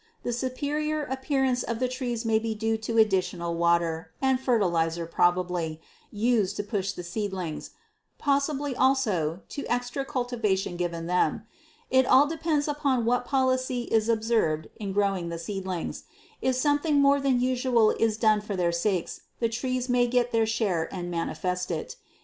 The superior appearance of the trees may be due to the additional water, and fertilizer probably, used to push the seedlings; possibly also to extra cultivation given them. It all depends upon what policy is observed in growing the seedlings; if something more than usual is done for their sakes, the trees may get their share and manifest it.